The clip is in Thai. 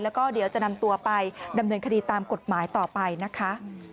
แล้วก็เดี๋ยวจะนำตัวไปดำเนินคดีตามกฎหมายต่อไปนะคะ